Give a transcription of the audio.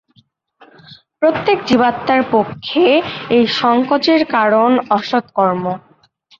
প্রত্যেক জীবাত্মার পক্ষে এই সঙ্কোচের কারণ অসৎকর্ম।